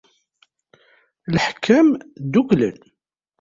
Lḥekkam ddukklen.